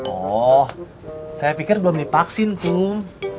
oh saya pikir belum divaksin tuh